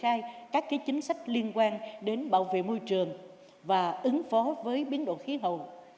thứ hai là chúng ta cần triển khai các chính sách liên quan đến bảo vệ môi trường và ứng phó với biến đổi khí hậu